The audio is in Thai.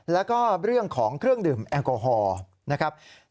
แล้วก็เรื่องของเครื่องดื่มแอลกอฮอล์นะครับ